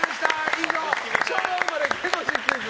以上昭和生まれ芸能人クイズ！